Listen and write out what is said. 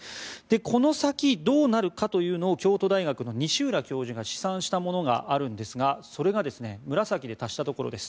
この先どうなるかというのを京都大学の西浦教授が試算したものがあるんですがそれが紫で足したところです。